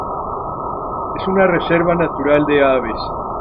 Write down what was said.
Es una reserva natural de aves.